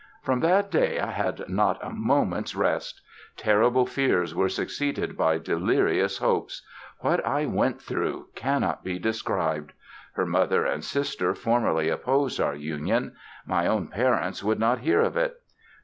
"From that day I had not a moment's rest. Terrible fears were succeeded by delirious hopes. What I went through ... cannot be described. Her mother and sister formally opposed our union. My own parents would not hear of it.